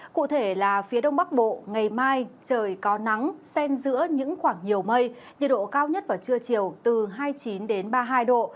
cụ thể là phía đông bắc bộ ngày mai trời có nắng sen giữa những khoảng nhiều mây nhiệt độ cao nhất vào trưa chiều từ hai mươi chín ba mươi hai độ